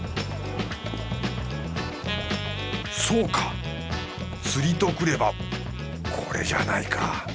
そうか釣りとくればこれじゃないか。